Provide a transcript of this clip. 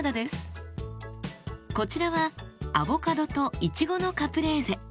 こちらはアボカドといちごのカプレーゼ。